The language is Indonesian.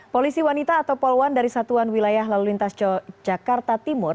polisi wanita atau poluan dari satuan wilayah lalu lintas jakarta timur